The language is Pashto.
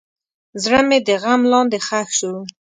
زړه مې د غم لاندې ښخ شو.